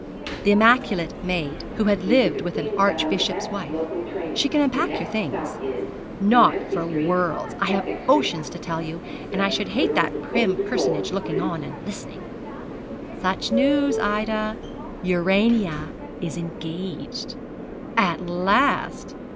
the immaculate maid, who had lived with an archbishop's wife. 'She can unpack your things.' 'Not for worlds. I have oceans to tell you, and I should hate that prim personage looking on and listening. Such news, Ida: Urania is engaged.' 'At last!'